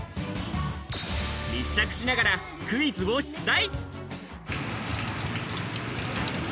密着しながらクイズを出題。